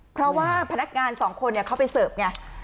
เพราะว่าพนักงานสองคนเขาไปเสิร์ฟไง